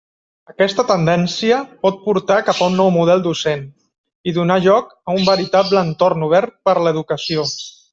Aquesta tendència pot portar cap a un nou model docent, i donar lloc a un veritable entorn obert per a l'educació.